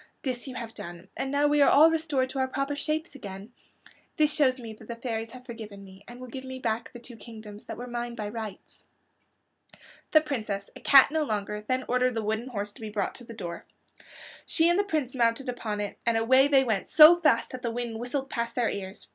This you have done, and now we are all restored to our proper shapes again. This shows me that the fairies have forgiven me and will give me back the two kingdoms that were mine by rights." The Princess, a cat no longer, then ordered the wooden horse to be brought to the door. She and the Prince mounted upon it, and away they went, so fast that the wind whistled past their ears.